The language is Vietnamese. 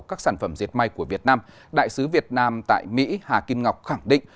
các sản phẩm diệt may của việt nam đại sứ việt nam tại mỹ hà kim ngọc khẳng định